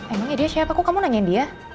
emang ya dia siapa kok kamu nanyain dia